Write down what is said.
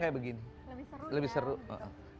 kayak begini lebih seru lebih seru